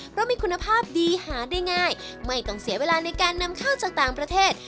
เพราะมีคุณภาพดีหาได้ง่ายไม่ต้องเสียเวลาในการนำเข้าจากต่างประเทศ